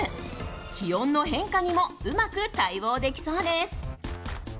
気温の変化にもうまく対応できそうです。